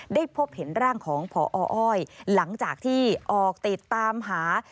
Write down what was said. พบเห็นร่างของพออ้อยหลังจากที่ออกติดตามหา